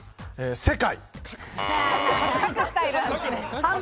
世界。